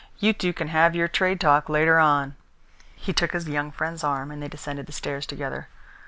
"You two can have your trade talk later on." He took his young friend's arm, and they descended the stairs together.